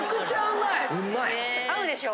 合うでしょ？